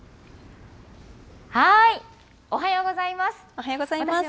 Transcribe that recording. おはようございます。